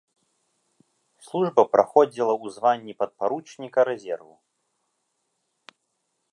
Служба праходзіла ў званні падпаручніка рэзерву.